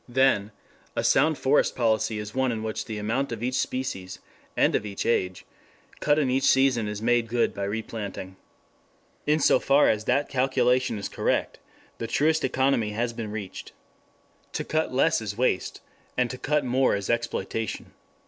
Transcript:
Then a sound forest policy is one in which the amount of each species and of each age cut in each season is made good by replanting. In so far as that calculation is correct the truest economy has been reached. To cut less is waste, and to cut more is exploitation.